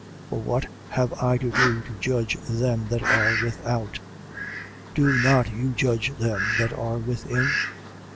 5:12. For what have I to do to judge them that are without? Do not you judge them that are within?